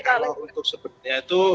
kalau untuk sebetulnya itu